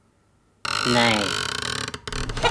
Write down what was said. Này